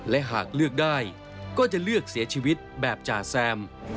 และหากเลือกได้ก็จะเลือกเสียชีวิตแบบจ่าแซม